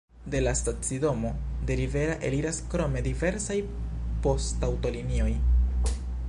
De la stacidomo de Rivera eliras krome diversaj poŝtaŭtolinioj.